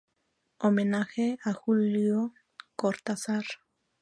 Homenaje a Julio Cortázar.